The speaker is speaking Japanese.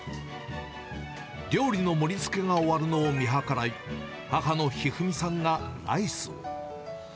料理の盛りつけが終わるのを見計らい、母のひふみさんがライスを。